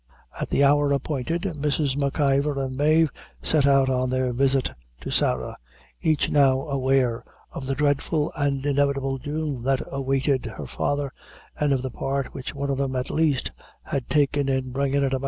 At the hour appointed, Mrs. M'Ivor and Mave set out on their visit to Sarah, each now aware of the dreadful and inevitable doom that awaited her father, and of the part which one of them, at least, had taken in bringing it about.